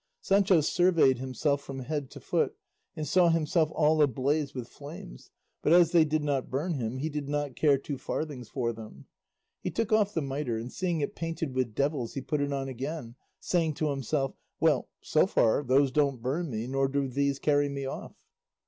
Sancho surveyed himself from head to foot and saw himself all ablaze with flames; but as they did not burn him, he did not care two farthings for them. He took off the mitre, and seeing painted with devils he put it on again, saying to himself, "Well, so far those don't burn me nor do these carry me off."